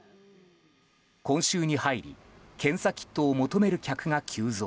今週に入り検査キットを求める客が急増。